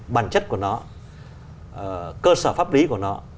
bản chất của nó cơ sở pháp lý của nó